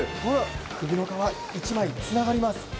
首の皮一枚つながります。